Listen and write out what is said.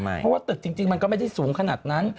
เพราะว่าตึกจริงมันก็ไม่ได้สูงขนาดนั้น